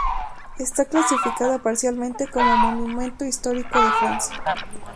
Está clasificada parcialmente como monumento histórico de Francia.